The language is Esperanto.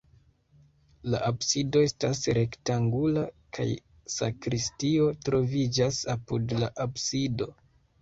La absido estas rektangula kaj sakristio troviĝas apud la absido.